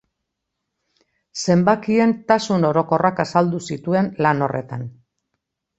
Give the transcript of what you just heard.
Zenbakien tasun orokorrak azaldu zituen lan horretan.